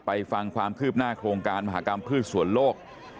ฟังความคืบหน้าโครงการมหากรรมพืชส่วนโลก